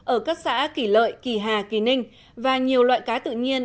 ở các xã kỳ lợi kỳ hà kỳ ninh và nhiều loại cá tự nhiên